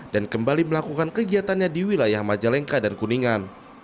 dan kembali melakukan kegiatannya di wilayah majalengka dan kuningan